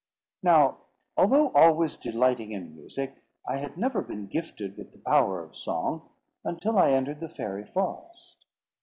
Now, although always delighting in music, I had never been gifted with the power of song, until I entered the fairy forest.